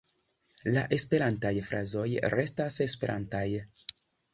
La esperantaj frazoj restas esperantaj.